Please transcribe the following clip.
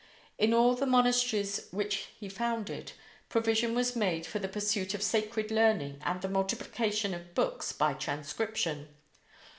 In all the monasteries which he founded, provision was made for the pursuit of sacred learning and the multiplication of books by transcription.